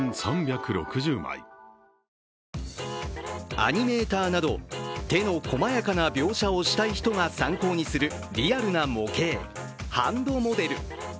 アニメーターなど手の細やかな描写をしたい人が参考にするリアルな模型、ハンドモデル。